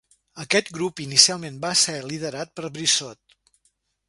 Aquest grup inicialment va ser liderat per Brissot.